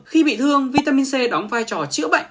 khi bị thương vitamin c đóng vai trò chữa bệnh